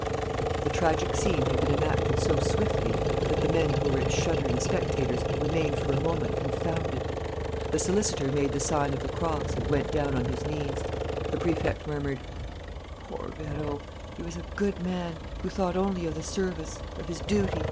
The tragic scene had been enacted so swiftly that the men who were its shuddering spectators remained for a moment confounded. The solicitor made the sign of the cross and went down on his knees. The Prefect murmured: "Poor Vérot!... He was a good man, who thought only of the service, of his duty.